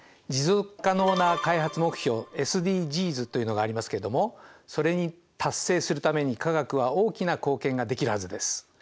持続可能な開発目標ＳＤＧｓというのがありますけれどもそれに達成するために化学は大きな貢献ができるはずです。